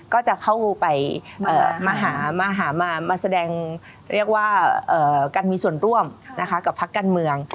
ก็จะเข้าไปมาหามาแสดงเรียกว่าการมีส่วนร่วมนะคะกับพักการเมือง